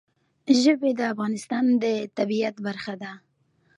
ژبې د افغانستان د طبیعت برخه ده.